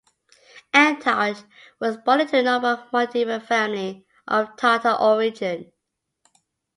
Antioch was born into a noble Moldavian family of Tatar origin.